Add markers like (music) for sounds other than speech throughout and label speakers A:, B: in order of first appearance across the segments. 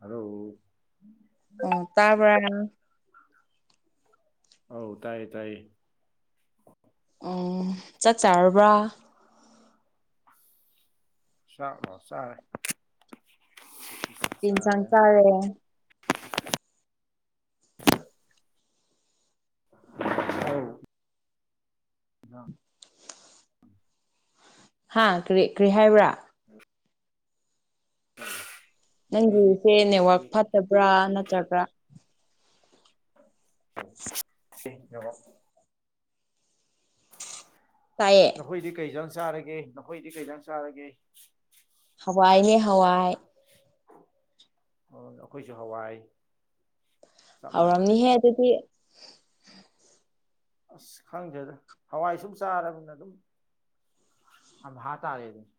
A: ꯍꯔꯣ
B: ꯑꯣ ꯇꯥꯕ꯭ꯔꯥ ꯅꯪ
A: ꯑꯧ ꯇꯥꯏꯌꯦ ꯇꯥꯏꯌꯦ
B: ꯑꯣ ꯆꯥꯛ ꯆꯥꯔꯕ꯭ꯔꯥ
A: ꯆꯥꯛꯂꯣ ꯆꯥꯔꯦ
B: ꯀꯩ ꯍꯤꯟꯖꯥꯡ ꯆꯥꯔꯦ
A: (unintelligible)
B: ꯍꯥ ꯀꯔꯤ ꯀꯔꯤ ꯍꯥꯏꯕ꯭ꯔꯥ
A: (unintelligible) (unintelligible) ꯅꯈꯣꯏꯗꯤ
B: ꯅꯪꯒꯤꯁꯦ
A: ꯀꯩ
B: ꯅꯦꯠꯋꯥ꯭ꯔꯛ
A: ꯇꯧꯔꯒꯦ
B: ꯐꯠꯇꯕ꯭ꯔꯥ ꯅꯠꯇ꯭ꯔꯒ
A: (unintelligible) ꯅꯦꯠꯋꯥ꯭ꯔꯛ
B: ꯇꯥꯏꯌꯦ
A: ꯅꯈꯣꯏꯗꯤ ꯀꯩ ꯍꯦꯟꯖꯥꯡ ꯆꯥꯔꯒꯦ ꯅꯈꯣꯏꯗꯤ ꯀꯩ ꯍꯦꯟꯖꯥꯡ ꯆꯥꯔꯒꯦ
B: ꯍꯋꯥꯏꯅꯦ ꯍꯋꯥꯏ
A: ꯍꯣꯏ ꯑꯩꯈꯣꯏꯁꯨ ꯍꯋꯥꯏ ꯆꯞ ꯃꯥꯟꯅꯔꯦ
B: ꯍꯥꯎꯔꯝꯅꯤꯍꯦ ꯑꯗꯨꯗꯤ
A: ꯑꯁ ꯈꯪꯗ꯭ꯔꯦꯗ ꯍꯋꯥꯏ ꯁꯨꯝ ꯆꯥꯔꯕꯅꯤꯅ ꯑꯗꯨꯝ ꯑꯝꯍꯥꯥ ꯇꯥꯔꯦꯑꯗꯨꯅꯤ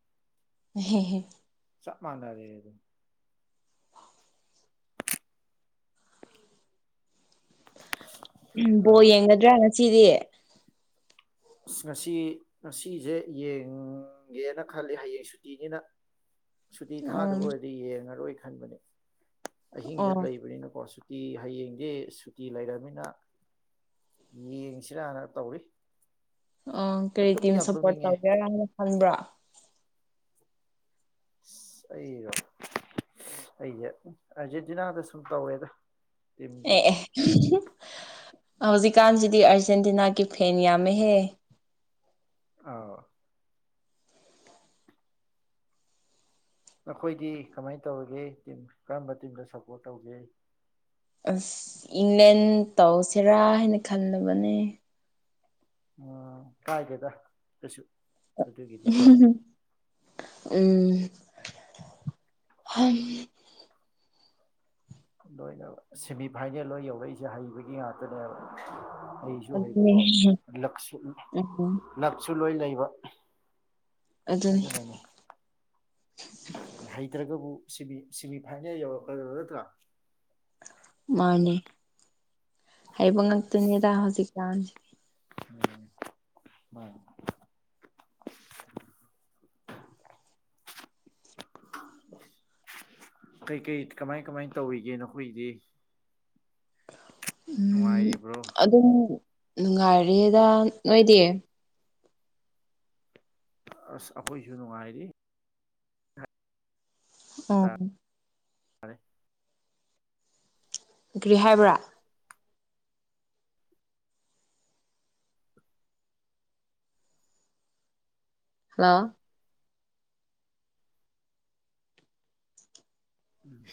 B: (unintelligible)
A: ꯆꯞ ꯃꯥꯟꯅꯔꯦ ꯑꯗꯨꯝ (unintelligible)
B: ꯎꯍꯝ ꯕꯣꯜ
A: ꯑꯥ
B: ꯌꯦꯡꯒꯗ꯭ꯔꯥ ꯉꯁꯤꯗꯤ
A: ꯑꯁ ꯉꯁꯤ ꯉꯁꯤꯁꯦ ꯌꯦꯡ ꯌꯦꯡꯒꯦꯅ ꯈꯜꯂꯤ ꯍꯌꯦꯡ ꯁꯨꯇꯤꯅꯤꯅ ꯁꯨꯇꯤ
B: ꯎꯝ
A: ꯊꯥꯗꯕ ꯑꯣꯏꯔꯗꯤ ꯌꯦꯡꯉꯔꯣꯏ ꯈꯟꯕꯅꯦ ꯑꯍꯤꯡꯗ
B: ꯑꯣ
A: ꯂꯩꯕꯅꯤꯅꯀꯣ ꯁꯨꯇ__ ꯇꯤ ꯍꯌꯦꯡꯗꯤ ꯁꯨꯇꯤ ꯂꯩꯔꯕꯅꯤꯅ ꯌꯦꯡ ꯁꯤꯔꯥꯅ ꯇꯧꯔꯤ
B: ꯑꯪ ꯀꯔꯤ ꯇꯤꯝ
A: ꯇꯨꯝꯗꯤ ꯌꯥꯝ
B: ꯁꯞꯄꯣꯔꯠ
A: ꯇꯨꯝꯅꯤꯡꯉꯦ
B: ꯇꯧꯒꯦꯅ ꯅꯪ ꯈꯟꯕ꯭ꯔꯣ
A: ꯑꯁ ꯑꯩꯔꯣ ꯑꯩꯁꯦ ꯎꯨꯝꯍ ꯑꯔꯖꯦꯟꯇꯤꯅꯥꯗ ꯁꯨꯝ ꯇꯧꯋꯦꯗ
B: ꯑꯦ ꯑꯦ (unintelligible) ꯍꯧꯖꯤꯛꯀꯥꯟꯁꯤꯗꯤ ꯑꯥꯔꯖꯦꯟꯇꯤꯅꯥꯒꯤ ꯐꯦꯟ ꯌꯥꯝꯃꯦꯍꯦ
A: ꯑꯥꯎ ꯅꯈꯣꯏꯗꯤ ꯀꯃꯥꯏꯅ ꯇꯧꯔꯒꯦ ꯇꯤꯝ ꯀꯔꯝꯕ ꯇꯤꯝꯗ ꯁꯞꯄꯣ꯭ꯔꯠ ꯇꯧꯒꯦ
B: ꯑꯁ ꯏꯪꯂꯦꯟꯗ ꯇꯧꯁꯤꯔꯥ ꯍꯥꯏꯅ ꯈꯟꯅꯕꯅꯦ
A: ꯑꯥ ꯀꯥꯏꯗꯦꯗ ꯀꯩꯁꯨ ꯑꯗꯨꯒꯤꯗꯤꯀꯣ
B: (unintelligible) ꯎꯝ (unintelligible)
A: ꯂꯣꯏꯅ ꯁꯦꯃꯤꯐꯥꯏꯅꯦꯜ ꯂꯣꯏ ꯌꯧꯔꯛꯏꯁꯦ ꯍꯩꯕꯒꯤ ꯉꯥꯛꯇꯅꯦꯕ ꯑꯩꯁꯨ
B: ꯑꯗꯨꯅꯦ
A: ꯍꯩꯕꯀꯣ
B: ꯎꯝ
A: ꯂꯛꯁꯨ ꯂꯣꯏ ꯂꯩꯕ
B: ꯑꯗꯨꯅꯤ
A: ꯑꯗꯨꯅꯅꯤ ꯍꯩꯇ꯭ꯔꯒꯕꯨ ꯁꯤꯃꯤ ꯐꯥꯏꯅꯦꯜ ꯌꯧꯔꯛꯑꯔꯣꯏ ꯅꯠꯇ꯭ꯔꯥ
B: ꯃꯥꯅꯦ ꯍꯥꯏꯕ ꯉꯛꯇꯅꯤꯗ ꯍꯧꯖꯤꯛꯀꯥꯟꯁꯤ
A: (unintelligible) ꯀꯩꯀꯩ ꯀꯃꯥꯏ ꯀꯃꯥꯏ ꯇꯧꯔꯤꯒꯦ ꯅꯈꯣꯏꯒꯤꯗꯤ
B: ꯎꯝ
A: ꯅꯨꯡꯉꯥꯏꯔꯤꯕ꯭ꯔꯣ
B: ꯑꯗꯨꯝ ꯅꯨꯡꯉꯥꯏꯔꯦꯗ ꯅꯣꯏꯗꯤ
A: ꯑꯁ ꯑꯩꯈꯣꯏꯁꯨ ꯅꯨꯡꯉꯥꯏꯔꯤ
B: ꯎꯝ
A: ꯐꯔꯦ
B: ꯀꯔꯤ ꯍꯥꯏꯕ꯭ꯔꯥ ꯍꯜꯂꯣ
A: ꯎꯝ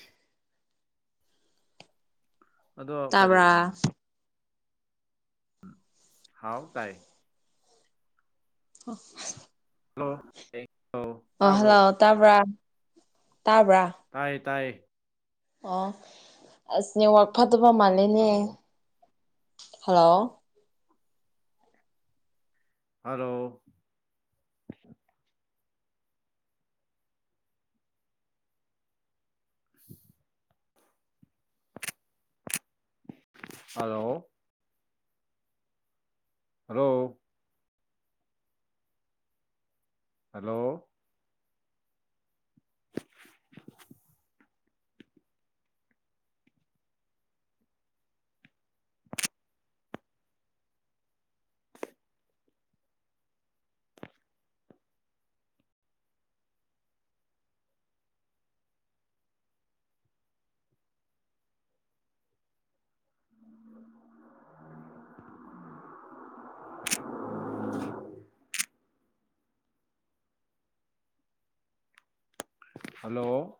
A: ꯑꯗꯣ ꯀꯔꯤ
B: ꯇꯥꯕ꯭ꯔꯥ
A: ꯎꯝ ꯍꯥꯎ ꯀꯥꯏ
B: ꯍ
A: ꯍꯜꯂꯣ ꯍꯜꯂꯣ
B: ꯑꯣ
A: ꯇꯥꯕ꯭ꯔꯣ
B: ꯍꯜꯂꯣ ꯇꯥꯕ꯭ꯔꯥ ꯇꯥꯕ꯭ꯔꯥ
A: ꯇꯥꯏꯌꯦ ꯇꯥꯏꯌꯦ
B: ꯑꯣ ꯑꯁ ꯅꯦꯋꯥꯛ ꯐꯗꯕ ꯃꯥꯜꯂꯦꯅꯦ
A: hello
B: hello
A: hello hello hello hello (unintelligible) hello